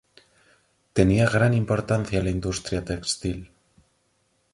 Tenía gran importancia la industria textil.